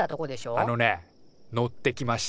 あのね乗ってきました。